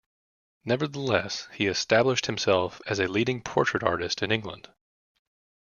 Nevertheless, he established himself as a leading portrait artist in England.